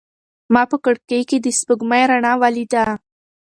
ما په کړکۍ کې د سپوږمۍ رڼا ولیده.